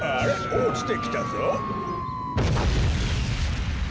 おちてきたぞ。